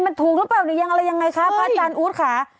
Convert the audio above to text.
มันถูกหรือเปล่ายังอะไรอย่างไรคะพระอาจารย์อุ๊ยค่ะ